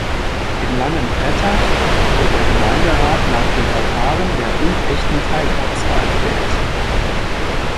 In Langenbrettach wird der Gemeinderat nach dem Verfahren der unechten Teilortswahl gewählt.